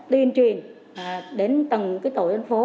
tuyên truyền đến tầng tổ dân phố